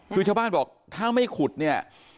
คือชาวบ้านบอกถ้าไม่ขุดเนี่ย